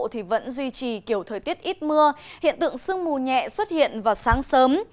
thì vẫn duy trì kiểu thời tiết ít mưa hiện tượng sương mù nhẹ xuất hiện vào sáng sớm